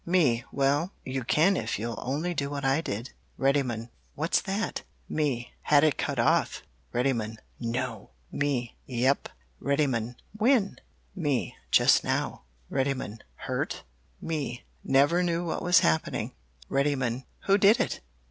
"Me Well, you can if you'll only do what I did. "Reddymun What's that? "Me Had it cut off. "Reddymun No! "Me Yep! "Reddymun When? "Me Just now. "Reddymun Hurt? "Me Never knew what was happening. "Reddymun Who did it?